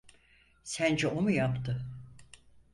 Sence o mu yaptı?